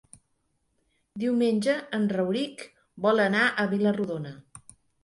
Diumenge en Rauric vol anar a Vila-rodona.